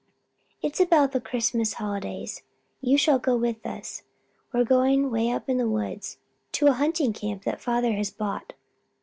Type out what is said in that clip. "It's about the Christmas Holidays. You shall go with us. We're going 'way up in the woods to a hunting camp that father has bought.